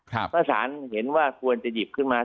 ถ้าศาลเห็นว่าควรจะหยิบขึ้นมา